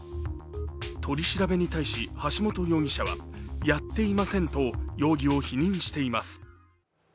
取り調べに対し、橋本容疑者はやっていませんと容疑を否認しています。